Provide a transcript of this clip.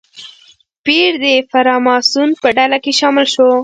پییر د فراماسون په ډله کې شامل شو.